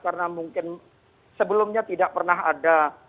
karena mungkin sebelumnya tidak pernah ada